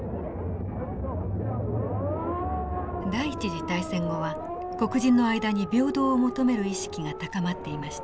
第一次大戦後は黒人の間に平等を求める意識が高まっていました。